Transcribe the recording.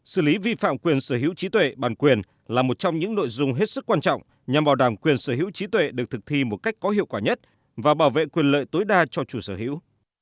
xử lý vi phạm quyền sở hữu trí tuệ bản quyền là một trong những nội dung hết sức quan trọng nhằm bảo đảm quyền sở hữu trí tuệ được thực thi một cách có hiệu quả nhất và bảo vệ quyền lợi tối đa cho chủ sở hữu